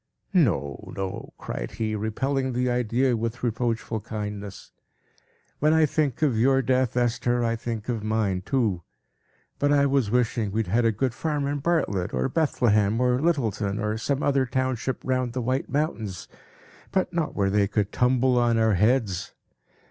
"No, no!" cried he, repelling the idea with reproachful kindness. "When I think of your death, Esther, I think of mine, too. But I was wishing we had a good farm, in Bartlett, or Bethlehem, or Littleton, or some other township round the White Mountains; but not where they could tumble on our heads.